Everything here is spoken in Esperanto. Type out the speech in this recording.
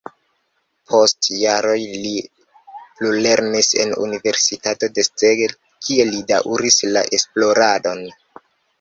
Post jaroj li plulernis en universitato de Szeged, kie li daŭris la esploradon.